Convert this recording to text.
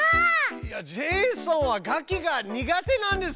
いやジェイソンは楽器が苦手なんです。